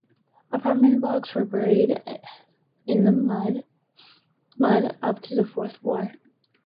Apartment blocks were buried in mud up to the fourth floor.